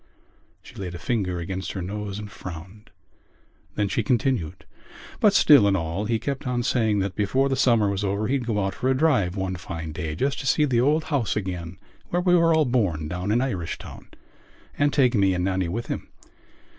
She laid a finger against her nose and frowned: then she continued: "But still and all he kept on saying that before the summer was over he'd go out for a drive one fine day just to see the old house again where we were all born down in Irishtown and take me and Nannie with him.